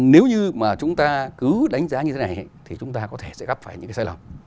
nếu như mà chúng ta cứ đánh giá như thế này thì chúng ta có thể sẽ gặp phải những cái sai lầm